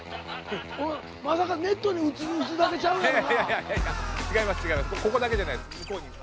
まさかネットに打つだけちゃうやろな。